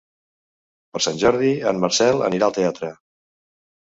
Per Sant Jordi en Marcel anirà al teatre.